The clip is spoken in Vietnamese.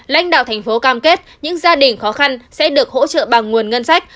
lãnh đạo tp hcm cam kết những gia đình khó khăn sẽ được hỗ trợ bằng nguồn ngân sách